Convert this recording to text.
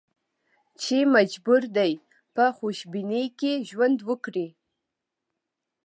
چې مجبور دي په خوشبینۍ کې ژوند وکړي.